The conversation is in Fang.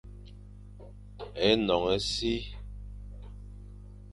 Énoñ e si,